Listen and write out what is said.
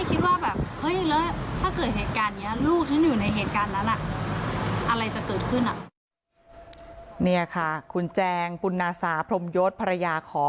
คือเรียกว่านี่ตาย